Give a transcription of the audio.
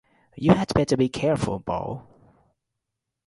You had better be careful, Ball.